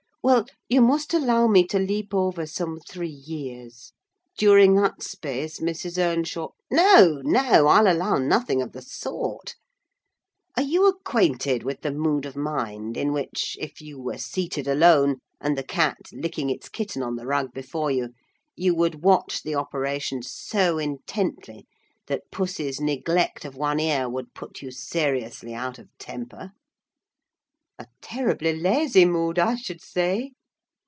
Well, you must allow me to leap over some three years; during that space Mrs. Earnshaw—" "No, no, I'll allow nothing of the sort! Are you acquainted with the mood of mind in which, if you were seated alone, and the cat licking its kitten on the rug before you, you would watch the operation so intently that puss's neglect of one ear would put you seriously out of temper?" "A terribly lazy mood, I should say."